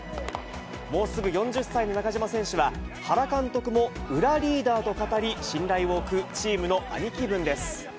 もうすぐ４０歳の中島選手は、原監督も裏リーダーと語り、信頼を置くチームの兄貴分です。